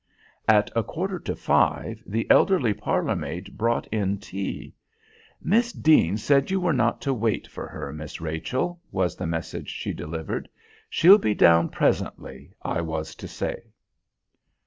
At a quarter to five the elderly parlour maid brought in tea. "Miss Deane said you were not to wait for her, Miss Rachel," was the message she delivered. "She'll be down presently, I was to say."